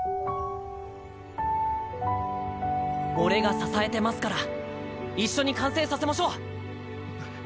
俺が支えてますから一緒に完成させましょう。